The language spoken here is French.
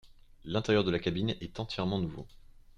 L'intérieur de la cabine est entièrement nouveau.